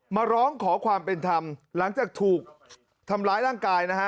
มาร้องขอความเป็นธรรมหลังจากถูกทำร้ายร่างกายนะฮะ